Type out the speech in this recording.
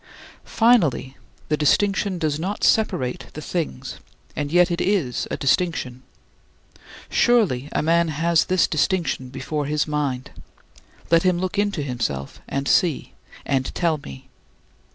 Finally, the distinction does not separate the things, and yet it is a distinction. Surely a man has this distinction before his mind; let him look into himself and see, and tell me.